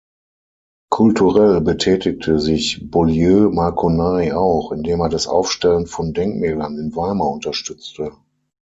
Kulturell betätigte sich Beaulieu-Marconnay auch, indem er das Aufstellen von Denkmälern in Weimar unterstützte.